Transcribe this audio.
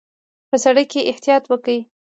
په سړک کې احتیاط وکړئ